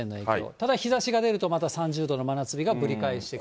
ただ、日ざしが出るとまた３０度の真夏日がぶり返してくる。